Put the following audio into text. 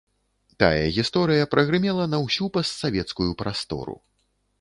Тая гісторыя прагрымела на ўсю постсавецкую прастору.